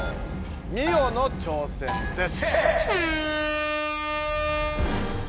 ミオの挑戦です！